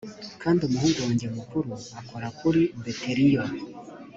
kandi umuhungu wanjye mukuru akora kuri beteliyo